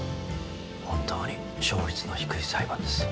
本当に勝率の低い裁判です。